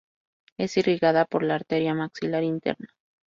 Es irrigado por la arteria maxilar interna.